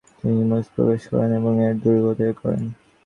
তিনি হিমস প্রবেশ করেন এবং এর দুর্গ অধিকার করেন।